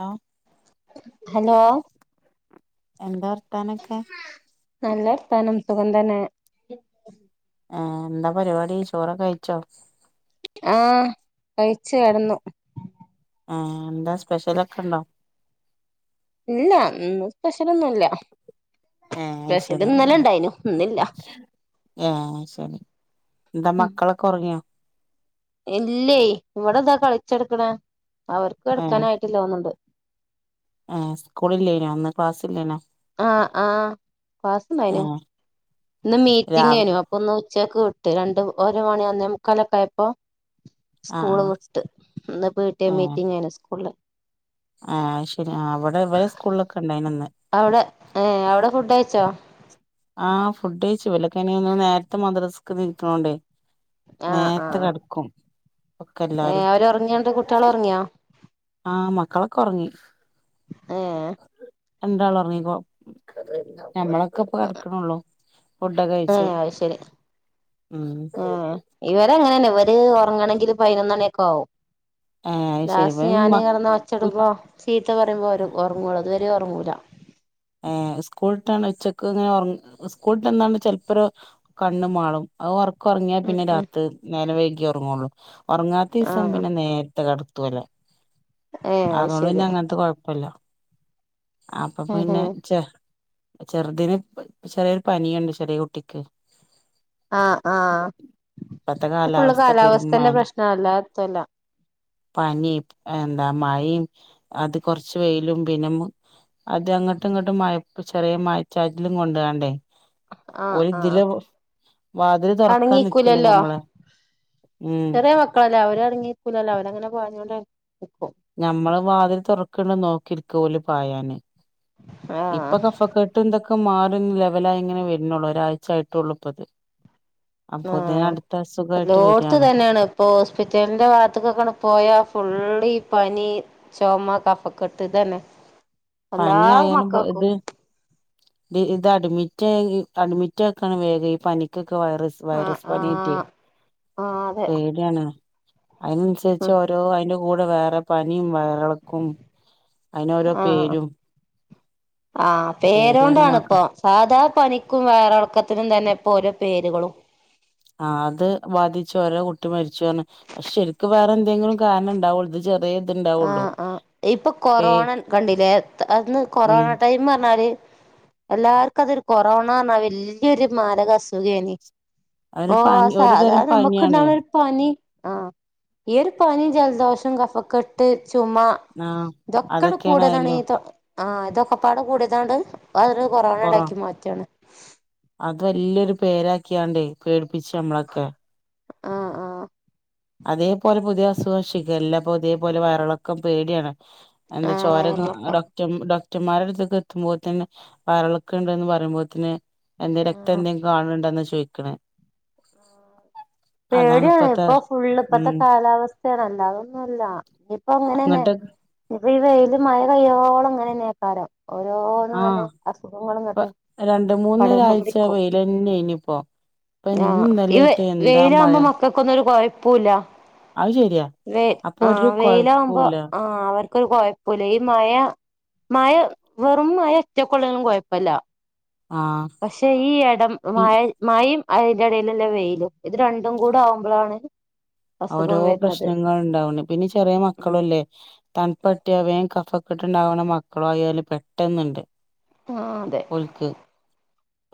Hello hello എന്താ വർത്താനൊക്കെ നല്ല വർത്താനം സുഖം തന്നെ ആഹ് എന്താ പരിപാടി ചോറൊക്കെ കഴിച്ചോ ആഹ് കഴിച്ച് കേടന്നു ആഹ് എന്താ സ്പെഷ്യലൊക്കെണ്ടോ ഇല്ല ഇന്ന് സ്പെഷ്യലൊന്നുല്ല ഏ സ്പെഷ്യല് ശരി ഇന്നലെണ്ടായിനു ഏ ശെരി എന്താ മക്കളൊക്കെ ഒറങ്ങിയോ ഇല്ലേയ് ഇവിടെതാ കളിച്ചെട്ക്ക്ണ് അവർക്ക് ഏ കേട്ക്കാനായിട്ടില്ലോന്ന്ണ്ട് ഏ സ്കൂളില്ലേന്യോ ഇന്ന് ക്ലാസ്സല്ലേന്യോ ക്ലാസ്സുണ്ടായിനു ഇന്ന് മീറ്റിംങേനു രാവിലെ അപ്പൊ ഇന്ന് ഉച്ചക്ക് വിട്ട് രണ്ട് ഒരു മണി ഒന്നേമുക്കലൊക്കായപ്പോ ആ സ്കൂള് വിട്ട് ഇന്ന് പിടിഎ ആ മീറ്റിംങേനു സ്കൂള്ല് ഏ അത് ശെരി ആ ഇവ്ടെ ഇവരേ സ്കൂള്ലൊക്കെണ്ടായിനിന്ന് അവ്ടെ ഏ അവ്ടെ ഫുഡയിച്ചോ ആഹ് ഫുഡ്ഴിച്ചു ഇവലൊക്കെയിന് ഇന്ന് നേരത്തെ മദ്രസ്ക് നീക്ക്ണോണ്ടേ ആഹ് നേരത്തെ ആഹ് കേടക്കും ഒക്കെ എല്ലാരും ന്ന്ട്ട് കുട്ട്യാള് ഒറങ്യോ ആ മക്കളൊക്കെ ഒറങ്ങി ഏഹ് രണ്ടാള് ഒറങ്ങിപോ ക്ക്ണോള്ളൂ ഏ അത് ശെരി ഉം ഏ ഇവരങ്ങനെന്നെ ഇവര് ഒറങ്ങണെങ്കി പയിനൊന്നണിയൊക്കെ ആവും ഏ ശരി ലാസ്റ്റ് ഇവൻ ഞാന് കടന്ന് ഒച്ചട്മ്പോ ചീത്ത പറയുമ്പോ ഓര് ഒറങ്ങോള്ളൂ അത് വ രെ ഒങ്ങൂലാ ഏ സ്കൂൾ ട്ടാണ് ഉച്ചക്ക്ങ്ങനെ ഒറ സ്കൂള്ട്ട്ന്നാണ്ട് ചെലപ്പോര് കണ്ണ് മാളും അത് ഒ ക്കൊറങ്ങിയാ ഉം പിന്നെ ഉം രാത് നേരം വൈകിയേ ഒറങ്ങോള്ളൂ ഒറങ്ങാത്തീസം ആഹ് പിന്നെ നേരത്തെ കട ത്തൊലേ ഏഹ് അത് അതോണ്ട് ശരി പിന്നെ അങ്ങനത്തെ കൊഴപ്പല്ല അപ്പൊ പിന്നെ ചെറ്തിന് ചെറിയൊരു പനിയുണ്ട് ചെറിയേ കുട്ടിക്ക് ആ ആ ഇപ്പത്തെ ഇപ്പൊ ഫുള്ള് കാലാവസ്ഥ പെരും കാലാവസ്ഥന്റെ മഴ പ്രശ്നാ അല്ലാതെത്തുല്ലാ പനി എന്താ മഴിം അത് കൊറച്ച് വെയിലും പിന്നെ അത് അങ്ങട്ടും ഇങ്ങട്ടും മായ ചെറിയേ മായച്ചാറ്റിലും കൊണ്ടാണ്ടേ ആഹ് ആഹ് ഓലിതിലെ വാതില് തുറക്കാൻ നക്കല്ലേ അടങ്ങിക്കൂലല്ലോ ഞമ്മള് ഉം ചെറിയ മക്കളല്ലേ അവര് അടങ്ങി നിക്കുലല്ലോ അവര് അങ്ങനെ പോഞ്ഞോണ്ട് ഞമ്മള് വാതിൽ തുറക്ക്ണ്ടോ നോക്കി ഇരിക്ക ഓല് പായാന് ആഹ് ഇപ്പൊ കഫംക്കെട്ടും ഇതൊക്കെ മാറി ഇപ്പം ലെവലായി ഇങ്ങനെ വരുന്നുള്ളൂ ഒരാഴ്ച ആായിട്ടൊള്ളു ഇപ്പത് അപ്പോത്തിന് ആഹ് അടുത്ത അസുഖായിട്ട് എല്ലോട്ത്തും വരാണ് ഇതന്നെണ് ഇപ്പൊ ഹോസ്പിറ്റലിന്റെ ഭാഗത്ത്ക്കൊക്കെ പോയാ ഫുള്ളി പനി ചുമ കഫക്കെട്ട് ഇതന്നെ എല്ലാ പനി ആയാലും പ്പൊ മക്കൾക്കും ഇത് ഇത് അടിമി റ്റായി അഡ്മിറ്റ് ആക്കാണ് വേഗം ഈ പനിക്ക് ക്ക് വൈറസ് ആഹ് വൈറസ് പനിയായിട്ടേ ആഹ് ആഹ് അതെ പേടിയാണ് അതിനനുസരിച്ച് ഉം ഓരോ അതിന്റെ കൂടെ വേറെ പനിയും വയറിളക്കും അതിന് ഓരോ ആഹ് പേരും ആഹ് പേടിയാണ് പേരോണ്ടാാണ് മക്ക പ്പൊ സാദാ പനിക്കും വയറളക്കത്തിനും തന്നെ ഇപ്പൊ ഓരോ പേരുകളും ആ അത് ബാധിച്ചു ഓരോ കുട്ടി മരിച്ചു പറഞ് അത് ശെരിക്കും വേറെ എന്തെങ്കിലും കാരണം ഉണ്ടാവുള്ളില് ആഹ് ആഹ് ഇപ്പൊ പേ കൊറോണ കണ്ടില്ലേ അന്ന് ഉം കൊറോണ ടൈം പറഞ്ഞാല് എല്ലാർക്കും അതൊരു കൊറോണ പറഞ്ഞാ വല്യയൊരു മാരക അസുഖേനി അവന് ഓ പനി അത് ഒരു സാതാ തരം നമ്മക്ക് പനിയാണ് ഉണ്ടാകുന്ന ഒരു പനി ആഹ ഈ ഒരു പനി ജലദോഷം കഫക്കട്ട് ചുമ് ആഹ് ഇതൊക്കെടെ കൂടിയതാണ് അതൊക്കെയാണായാലും ആഹ് ഇതൊക്കെ പാടെ കൂടതാണ്ട് അ അതരു കൊറോണ കൊറോ യാക്കി മാറ്റുകയാണ് അത് വലിയ ഒരു പേരാക്കിക്കണ്ടു പേടിപ്പിച്ചു നമ്മളൊക്കെ ആ ആ അതേപോലെ പുതിയ അസുഖഷിഗല്ല തേപോലെ വയറിളക്കം പേടിയാണ് ആഹ് എന്തചോരന്ന് വയറിളക്കം ഡോക്റ്റം ഡോക് ക്റ്റന്മാരുടെ അടുത്തേക്കെത്തുമ്പോത്തിന് വയർൾക്കം ണ്ട്ന്ന് പറയുമ്പോത്ത്ൻ ആഹ് എന്തരക്തന്ദേലും കാണ് ണ്ടാന്നാ ചോയിക്കണേ പേടിയാണ് പ്പൊ അസു ള്ളിപ്പത്തെ ഉം കാലാവസ്ഥയണ് അല്ലാതൊന്നുല്ല ഇനിയിപ്പങ്ങനെന്നെ അങ്ങട്ട് പ്പൊ ഈ വെയില് മഴ കയ്യോളം ഇങ്ങനെന്നെ യിക്കാരം ഓരോരങ്ങനെ ആഹ് ഇപ്പ അസുഖങ്ങളിങ്ങട്ട് രണ്ട് പടർന്ന് മൂന്നൊരാഴ്ച പിടിക്കും വെയിലന്നെനി ഇപ്പോ ഇപ്പൊ ഇന്നും ആഇ ഇന്നലെയായിട്ട് എന്താ വെയിൽ മഴ ആകുമ്പോ മക്കക്കൊന്നൊരു കൊയപ്പുല്ല അത് ശെരിയാ വെ ആ വെയിലാകുമ്പോ ആ അവർക്കൊരു കൊയപ്പുല്ല ഈ മഴ മഴ വെറും മഴഒറ്റക്കോള്ളെലും കൊയപ്പല്ല ആഹ് പക്ഷെ ഈ എടം ഈ മയ് മയിം അതിന്റെടീലല്ലേ വെയിലും ഇത് രണ്ടുംകൂടവുമ്പളാണ് ഓരോ പ്രശ്നങ്ങൾ ണ്ടാവുണി പിന്നെ ചെറിയ ഉം മക്കളല്ലേ തണ്പട്ടിയാ വേം കഫക്കെട്ട് ണ്ടാകണ മക്കൾ ആയാല് പെട്ടനുണ്ട് ആ അതെ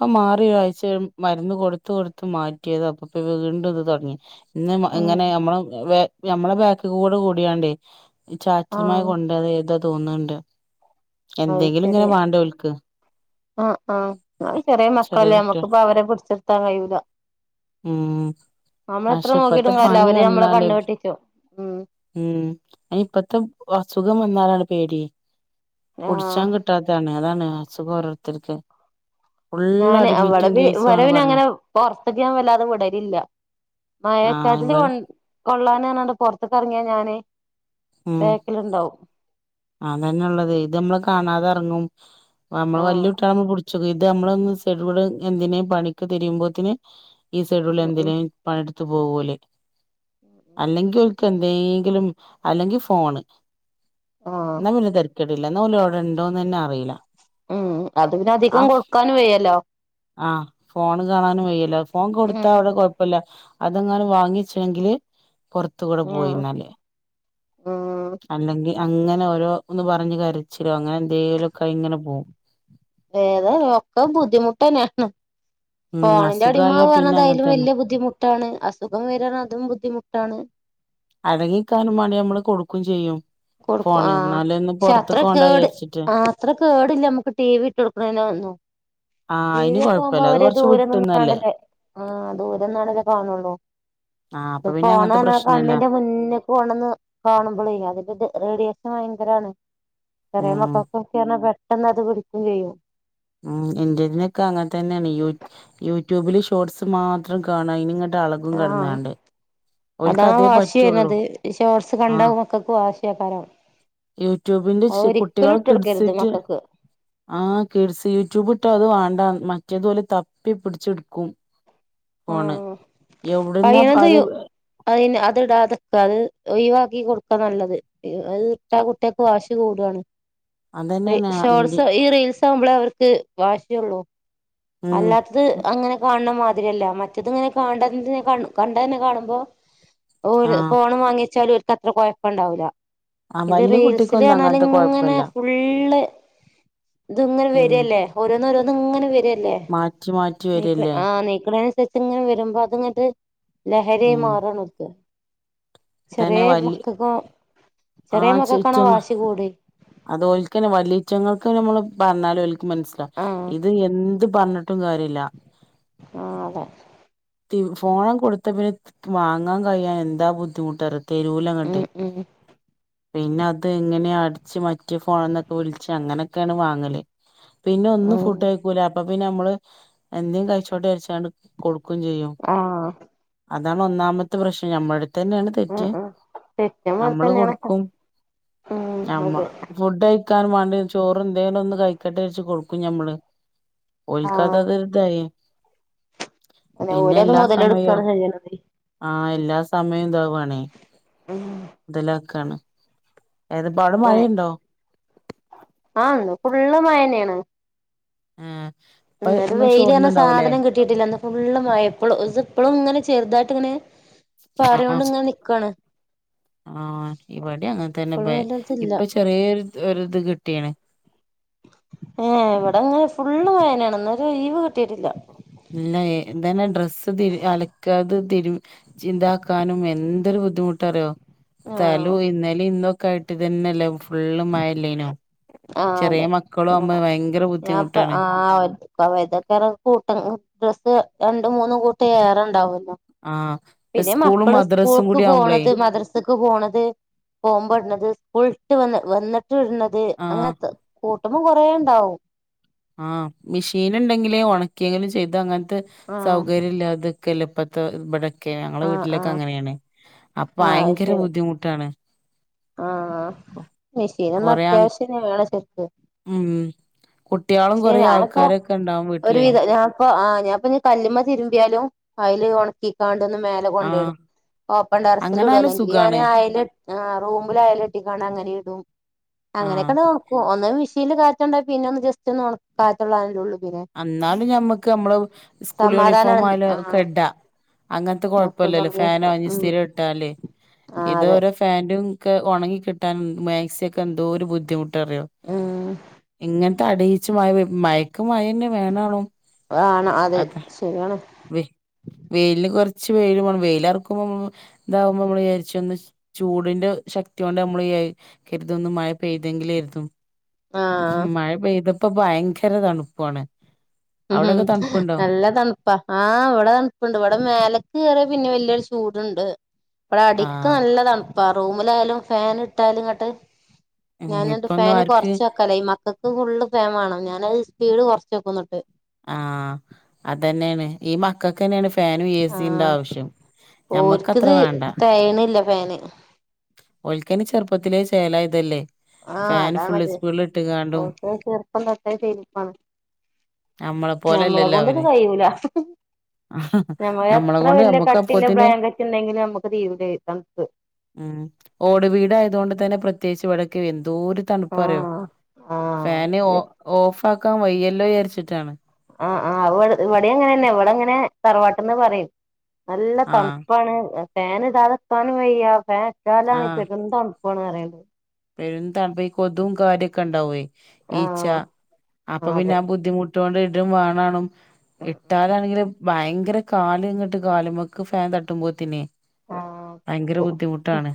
പ്പൊ മാറി ഒരാഴ്ച മരുന്ന് കൊടുത്തുകൊടുത്തു മാറ്റിയത പ്പൊ വീണ്ടും ഇത് തൊടങ്ങി ന്ന ഉം ങ്ങനെ നമ്മളെ വേ നമ്മളെ ബാക്ക്കൂടെ കൂടിയാണ്ട് ഈ ചാറ്റൽ മഴ ആഹ് കൊണ്ടത ഏതോ തോന്ന്ണ്ട് എന്തെങ്കിലുംങ്ങനെ വാണ്ടെ ഓൽക്ക് അ അ അചെറിയ ചെറിയ മക്കളല്ലേ നമ്മക്ക്പ്പൊ അവരെ പിടിച്ച്താൻ കഴിയൂല മ് നമ്മള് എത്ര പഷേ പ നോക്കിയിട്ടും കാര്യല്ല പപനി അവര് നമ്മളെ വന്നാൽ കണ്ണ് വെട്ടിച്ചും ഉം മ് അയിന്പ റ്റം അസുഗം വന്നലാണ് പേടി ആഹ് പുട്ചാൻ കിട്ടാതാണ് അതാണ് അസുഗോരോർതർക്ക് ഞാൻ അവടെ പറഞ്ഞ വരവിനങ്ങനെ പോർ ത്ത്ക്ക് ഞാൻ വല്ലാതെ വിടലില്ല മഴ ആഹ് ചരൽ ഇവൾ കൊള്ളനാണ് ണ്ട് പോർത്ക്ക് എർങ്ങിയാ ഞാൻ ബേക്കിൽണ്ടാവും അതന്നള്ളത് ഇതമ്മള് കാണാതെ എറങ്ങും നമ്മൾ ആഹ് വല്യകുട്ടിയാൾ ആവുമ്പോ പുഡ്ച്ച് ഇത് നമ്മളൊന്ന് ഷെഡ്യൂൾ എന്തിനേ പണിക്ക് തിരിയുമ്പോത്തിന് ഈ സൈഡിൽ ഉം ഉം എൻഡിനെലും പണിയെടുത്ത് പോവുലെ ഉം അല്ലെങ്കിൽ ഒൽക്ക് ഉം എന്തെങ്കിലും അല്ലെങ്കിൽ ഫോണ് ആഹ് ന്നാപിന്നെ തരക്കടില്ല ന്നാ ഓല് ണ്ടന്നെന്നെ അറി ഉം അത് പിന്നെ അധികം കൊടുക്കാനും വയ്യല്ലോ ആ ഫോണ് കാണാനും വയ്യല്ലോ ഫോൺ ഉം കൊടുത്താ അവിടെ കൊയ്പല്ല അതെങ്ങാനും വാങ്ങിചെങ്കിൽ പൊറുത്തുകൂടെ ആഹ് പോയിന്നാൽ ഉം അല്ലെങ്കിഅങ്ങനെ ഓരോന്ന് പറഞ്ഞു കരച്ചിലോ അങ്ങനെന്തേലും ഓക്കേയി ങ്ങനെ പോകും ഏതാ ഒക്കെ ബുദ്ധിമുട്ടന്നെയാണ് ഉം ഫോണിന്റെ അടിമ അസുഖായാ പിന്നെ പറഞ്ഞത് അങ്ങനെ അയിലും തന്നെ വല്യ ബുദ്ധിമു ട്ടാണ് അസുഖം വരാണെ അതും ബുദ്ധിമുട്ടാണ് അടങ്ങിക്കാനും മാണ്ടി നമ്മൾ കൊടുക്കും ചെയ്യും കൊടുക്കു ആ ഫോണ് എന്നാലും ഒന്ന് പക്ഷെ അത്ര പുറത്ത്ക്ക് പോണ്ട കേട് വിചാരിച്ചിട്ട് ആ അത്ര കേടില്ല നമ്മക്ക് ടിവി ഇട്ട് കൊടുണേന് [inaudible] ആഹ് അയിന് ടിവിയൊക്കെ ആവുമ്പോ കൊഴപ്പല്ല അത് അവര് കൊറച്ച് ദൂരെ നിന്ന് വിട്ടുന്നല്ലേ കാണ്ടല്ലേ ആ ദൂരെന്ന്കാണ്ടല്ല കാനണൊള്ളു ആഹ് ഇത് അപ്പൊ പിന്നെ അങ്ങനത്തെ ഫോണണേ ആ പ്രശ്നല്ല കണ്ണിന്റെ മുന്ന്ക്ക് കൊണ്ടാന്ന് കാണുമ്പൾ അവർ റെഡിയേഷൻ ഭയങ്കരമാണ് ചെറിയ ഉം മക്കകോക്കെ ന്ന് പറഞ്ഞപെട്ടന്ന് അത് പിടിക്കേം ചെയ്യും ഉ എന്റതിനൊക്കെ അങ്ങനെ തന്നെയാണ് യു യൂട്യൂബില് ഷോർട്സ് മാത്രം കാണാ അയിന്ങ്ങ ആ ഓൽക്ക് അതാണ അതേ വാശി പറ്റുള്ളൂ വരുന്നത് ഷോർസ് കണ്ട മക്കക്ക് വാശി വ്യാപരം യൂട്യൂബിന്റെശ് കുട്ടികളെ കിഡ്സ്‌ കൊടുക്കരുത് റ്റ് മക്കൾക്ക് ആ കേഴസിയൂട്യൂബ് ഇട്ട അത് വാണ്ടന്ന് മ മറ്റതു തപ്പി പിടിച്ചെടുക്കും ആ ഫോണ് എവിടുന്നാ അത് കഴിയുന്നതും അയിന് അത് ഇടാതക്ക ഒഴിവാക്കി കൊടുക്ക ക്ക നല്ലത് അതന്നെയാണ് ഇന്റെ ഷോർട്സ് ഈ റീൽസ് ആവുമ്പള ക് വാശിള്ളൂ ഉം അല്ലാത്തത് അങ്ങനെ കാണണം മാത്ര ല്ല മറ്റത് ഇങ്ങനെ കാണ്ടകണ്ടതന്നെ കാണുമ്പോ ഓൽ ആഹ് ഫോൺ വാങ്ങിച്ചാലും ഓൽക്ക് അത്ര കൊഴപ്പ ഉണ്ടാവുല്ല ആഹ് ഇത് വല്യ കുട്ടിക്കൊന്നും റീൽസില്റഞ്ഞാല് അങ്ങനത്തെ ഇങ്ങനെ കൊഴപ്പല്ല ഫുള്ള് ഇത് ഇങ്ങനെ ഉം വരല്ലേ ഓരോന്ന ഒ രോന്ന് ഇങ്ങനെ വരല്ലേ മാറ്റി മാറ്റി നീക്കണെ വരല്ലേ ആ നീക്ക്നീഅനുസരിച് ഇത്ങ്ങനെ വരുമ്പോ അത്ങ്ങട്ട് ലഹരിയായി ഉം മാറാണ് ഒൽക്ക് തന്നെ ചെറിയ വല്യ മക്കൾക്ക ചെറിയ ആഹ് മക്കൾക്കാണോ ചേറ്റങ്ങ വാശി കൂടി അത് വലിയോന്റങ്ങൾക്ക് നമ്മള് പറഞ്ഞാലും അവർക്കു ആഹ് മനസ്സിലാവും ട്ടും കാര്യല്ല ആ അതെ ഫോൺ കൊടുത്ത പിന്നെ വാങ്ങാൻ കഴിയാൻ എന്താ ബുദ്ധിമുട്ട് അറിയോ തെരൂലങ്ങട്ട് ഉം ഉം പിന്നെ അത് എങ്ങനെയ ച്ച് മറ്റേ ഫോണന്നൊക്കെ വിളിച്ച് അങ്ങനെയൊക്കെയാണ് വാങ്ങല് പിന്നെ ഒന്നും ഉം ഫുഡ് കയിക്കുല അപ്പൊ പിന്നെ നമ്മള് എന്തേ കഴിച്ചോട്ട് വിചാരിച്ചണ്ട് കൊടുക്ക ആ അതാണ് ഒന്നാമത്തെ പ്രശ്നം നമ്മുടെ തന്നെയാണ് ഉം തെറ്റ് ഉം തെറ്റും പോലെ നമ്മള് തന്നെയാണ് കൊടുക്കും ഉം നമ്മൾ അതെ ഫുഡ് കഴിക്കാൻ വേണ്ടി ചോറ് എന്തെങ്കലും ഒന്ന് കഴിക്കട്ടെ എന്ന് കരുതി കൊടുക്കും ഞമ്മള് ഓൽക്കത് ആഹ് അത് ശീലമായി അതെ പിന്നെ ഓരത് എല്ലാ മുതലെടുക്കാണ് സമയവും ചെയ്യണത് അത് തന്നെ എല്ലാ സമയവും അവർ ഉം മൊതലുകയാണ് ഏത് ഇപ്പോ അവിടെ മഴ മഴയുണ്ടോ ആഹ് ഇന്ന് ഫുള്ള് മഴ തന്നെയാണ് ആ ഇന്നലെ വെയിലർന്ന സാധനം ഇന്ന് വെയിൽഎന്ന സാധനം കിട്ടിയിട്ടില്ല ഇന്നപ്പൊ ഫുള്ള് മഴാ ഇപ്പളും ഇപ്പളും ഇങ്ങനെ ചെറുതായിട്ട് ഇങ്ങനെ ആ ചാറി കൊണ്ട് ഇങ്ങനെ നിക്കാണ് ആ ഇവിടെയും അങ്ങനെ തന്നെ ഇപ്പളും വല്ലതില്ല ഇപ്പൊ ചെറിയേ ഒരു ഇത് കിട്ടിക്ണ് ഏ ഇവിടെ ഇന്ന് ഫുള്ള് മഴന്നെണ് ഇന്നൊരു ഒഴിവ് കിട്ടിട്ടില്ല ഇല്ല ഇതന്നെ ഡ്രസ്സ്അലക്കാനും അതൊന്നു വിരിക്കാനും എന്തൊരു ബുദ്ധിമുട്ടാ അറിയോ ആഹ് സ്ഥലവുംഇന്നലെയും ഇന്നും ഒക്കെ ആയിട്ടു ഫുൾ മഴ അല്ലായിരുന്നോ ല ഫുള്ള് ചെറിയ മക്കളും ആകുമ്പോ ഭയങ്കര ഞാൻപ്പൊ ബുദ്ധിമുട്ടാണ് ആ ഒറ്റക്കുമാകുമ്പോൾ കൂട്ടം ഡ്രസ്സ് രണ്ടും മൂന്നും കൂട്ടം ഏറെ ഉണ്ടാവും ആ പിന്നെ മക്കള് സ്കൂൾക്ക് പോണത് മദ്രസക്ക് പോണത് പോകുമ്പോഇട്ണത് സ്കൂൾ ഇട്ട് വന്ന് വന്നിട്ട് ഇടുന്നത് ആഹ് അങ്ങനത്തെ കൂട്ടുമ്പോം കൊറേ ഉണ്ടാവും ആഹ മെഷീൻ ഉണ്ടെങ്കിൽ ഉണക്കിയെങ്കിലും ചെയ്യാംഇത് അങ്ങനത്തെ ആഹ് സൗകര്യം ഇല്ല അത് കല്ലപ്പത്തെ ഇവിടെക്കെ ഞങ്ങളെ ആഹ് വീട്ടിലൊക്കെ ആഹ് അങ്ങനെയാണ് അപ്പൊ ഭയങ്കര ബുദ്ധിമുട്ടാണ് ആ മെഷീനൊന്ന് കൊറേ അത്യാവശ്യത്തിന് വേണം ശെരിക്ക്. കുട്ടികളും കൊറേ ആൾക്കാരൊക്കെ എണ്ടാവും വീട്ടിലേ അപ്പൊ ആ ഞാൻ ഇപ്പ ഇനി കല്ലുമ്മേ തിരുമ്പിയാലും അതില് ഒണക്കികാ ങ്ങട് മേലെ ആഹ് കൊണ്ടെയിടും ഓപ്പൺ ടെറസിൽ ഇടും അങ്ങനായാലും അല്ലങ്കിൽ ഞാന് സുഖാണ് അയേലിട് ആ റുമില് അയേല് കെട്ടിക്കാണ് അങ്ങനെ ഇടും ആഹ് അങ്ങനെയൊക്കെണ് ഒണക്കും ഒന്ന് വീശി [unintelligible] കാറ്റെണ്ട പിന്നൊന്ന് ജസ്റ്റ് ഒന്ന് ഒണ കാറ്റ് കൊള്ളാനെല്ലേ ഉള്ളു എന്നാലും ഞമ്മക്ക് നമ്മള് സ്കൂൾ യൂണിഫോം സമാധാനാണ് ആ ആയാലും ക്കെഡാ അങ്ങനത്തെ മക്കളത് കൊഴപ്പില്ലല്ലോ ഫാനോ ഉണങ്ങിയപ്പോ ഉം ഇഞ്ഞിസ്തിരി ഇട്ടാല് ആ ഇത് അതെ ഓരോ ഫാന്റും ക്കെ ഒണങ്ങി കിട്ടാനെ മാക്സി ഒക്കെ എന്തോര് ബുദ്ധിമുട്ടറിയോ ഉം ഇങ്ങന തടിയിച്ചു മഴപെയ് മഴക്ക് മഴേന്നെ വേണാണോ ആണ് അത് അത ശരിയാണ് വെ വെയിലിന് കൊറച്ച് വെയില് വേണം വെയില് എറക്കുമ്പ നമ്മള് ഇതാവുമ്പ നമ്മള് വിചാരിച്ച് ഒന്ന് ചൂടിന്റ ശക്തി കൊണ്ട് നമ്മള് വിചാരിക്കരുത് ഇന്ന് മഴ പെയ്തെങ്കിലേരുന്നു ആ മഴ പെയ്തപ്പൊ ഭയങ്കര തണുപ്പാണ്. അവിടൊക്കെ തണുപ്പുണ്ടോ നല്ല തണു പ്പ ആ ഇവിടെ തണുപ്പെണ്ട് ഇവിടെ മേലക്ക് കയറിയാ പിന്നെ വല്യൊരു ചൂടെണ്ട്. ഇവടെ അടിക്ക് ആഹ് നല്ല തണുപ്പാ റൂമിലായാലും ഫാൻ ഇട്ടാലും ഇങ്ങട്ട് ഉം ഞാനാട്ട് ഇപ്പൊന്നും ഫാന് ആർക്ക് കൊറച്ച് വെക്കലാ ഈ മക്കക്ക് ഫുള്ള് ഫാൻ വേണം ഞാനത് സ്പീഡ് കൊറച്ച് വെക്കും എന്നിട്ട്. ആ അതന്നേണ് ഈ മക്കക്കന്നേണ് ഫാനും ഏ ആഹ് സീന്റാവശ്യം ഞമ്മക്കത്ര ഓര്ക്കിത് വേണ്ട. തെകയണില്ല ഫാന് ഓൽക്കയ്ന് ചെറുപ്പത്തിലേ ശേലായതല്ലേ ആ അതാണത് ഓൽക്കത് ചെറുപ്പംതൊട്ടേ [unintelligible] നമ്മളെ പോലെല്ലല്ലോ ഞമ്മളെകൊണ്ടിത് അവര് കഴിയൂല. [unintelligible] നമ്മളെ എത്ര കൊണ്ട് വലിയ നമ്മുക്ക് കട്ടിയിള്ള അപ്പോത്തിന് ബ്ലാങ്കറ്റ് എണ്ടെങ്കിലും നമ്മുക്ക് [unintelligible] തണുപ്പ് ഉം ഓട് വീടായതുകൊണ്ട് തന്നെ പ്രത്യേകിച്ച് ഇവിടെ ക്കെന്തോര് തണുപ്പാറിയോ ആഹ് ഫാന് ഓ ആഹ് ഓഫാ ക്കാൻ വയ്യല്ലോ വിചാരിച്ചിട്ടാണ്. ആ ആ ഇവ ഇവിടേ അങ്ങനെന്നെ ഇവിടങ്ങനെ തറവാട്ടിന്ന് പറയും. നല്ല ആഹ് തണുപ്പാണ് ഫാൻ ഇടാതിക്കാനും വയ്യ ഫാനിട്ടാലാണെ ആഹ് പെരുന്തണു പ്പാണ് പറയുന്നത്. പെരും തണുപ്പ ഈ കൊതും കാര്യൊക്കെ എണ്ടാവുവേ ഈച്ച ആഹ് അപ്പൊ അതെ പിന്ന ബുദ്ധിമു ട്ടോണ്ട് ഇടും വേണാണം ഉം ഉം ഇട്ടാലാണെങ്കില് ഭയ ങ്കര കാല് ഇങ്ങട്ട് കാലിമ്മെക്ക് ഫാൻ തട്ടുമ്പോ തന്നെ. ആഹ് ഭയങ്കര കൂടും ബുദ്ധിമുട്ടാണ്.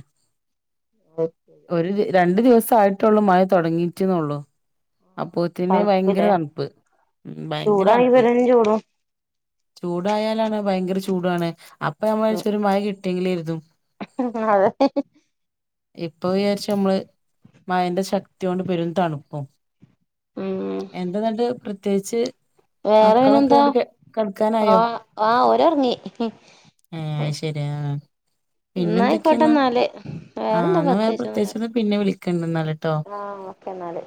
ഒരു രണ്ടു ദിവസം ആയിട്ടുള്ളൂ മഴ തൊടങ്ങീട്ടന്ന് ഒള്ളു. അപ്പോത്തിന് ഭയങ്കര തണുപ്പില്ലേ തണുപ്പ്. ഉം ഭയങ്കര ചൂടാണെങ്കി തണുപ്പ്. പെരും ചൂടും ചൂടായാലാണ് ഭയങ്കര ചൂടാണ്. അപ്പൊ നമ്മള് വിചാരിച്ചു മഴ കിട്ടിയെങ്കിലേരുന്നു. അതെ മയന്റെ ശക്തി കൊണ്ട് പെരും തണുപ്പും ഉം എന്റെ അന്നിട്ട് പ്ര ത്യേകിച്ച് വേറെ പിന്നെന്താ ആ കെടക്കാനായോ ആ ഓരെറങ്ങി. ഏഹ് അത് ശരി ആ പിന്നെന്തൊക്കെയാ എന്നായിക്കോട്ടെ എന്നാ എന്നാല് ആ വേറെന്താ എന്നാ വേറെ പ്ര ത്യേകിച്ചൊന്നും പിന്നെ വിളിക്കണ്ട ആ ഓക്കെ എന്നാല്.